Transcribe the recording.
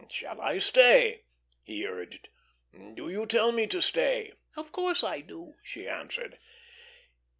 "Shall I stay?" he urged. "Do you tell me to stay?" "Of course I do," she answered.